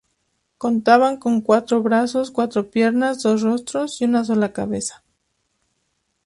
Contaban con cuatro brazos, cuatro piernas, dos rostros y una sola cabeza.